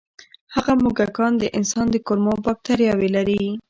هغه موږکان د انسان د کولمو بکتریاوې لري.